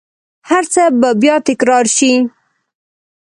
هرڅه به بیا تکرارشي